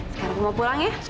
sekarang mau pulang ya